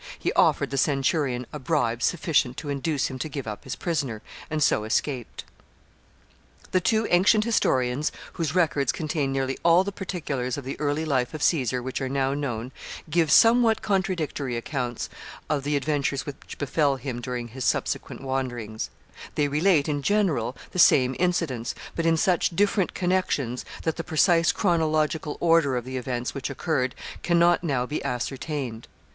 He offered the centurion a bribe sufficient to induce him to give up his prisoner, and so escaped. [Sidenote: Caesar in Asia Minor.] [Sidenote: He joins the court of Nicomedes.] The two ancient historians, whose records contain nearly all the particulars of the early life of Caesar which are now known, give somewhat contradictory accounts of the adventures which befell him during his subsequent wanderings. They relate, in general, the same incidents, but in such different connections, that the precise chronological order of the events which occurred can not now be ascertained.